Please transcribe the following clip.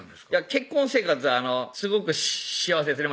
結婚生活はすごく幸せですね